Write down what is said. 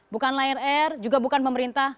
bukan lion air juga bukan pemerintah